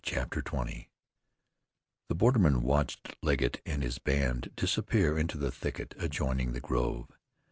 CHAPTER XX The bordermen watched Legget and his band disappear into the thicket adjoining the grove.